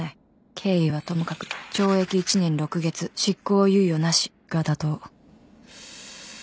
経緯はともかく懲役１年６月執行猶予なしが妥当